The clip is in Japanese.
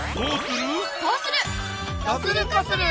どうする？